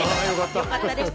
よかったです。